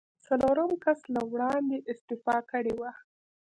څلورم کس له وړاندې استعفا کړې وه.